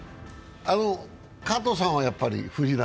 川藤さんはやっぱり藤浪？